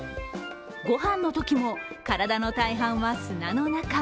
ご飯のときも体の大半は砂の中。